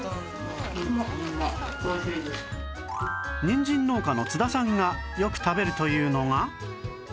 にんじん農家の津田さんがよく食べるというのが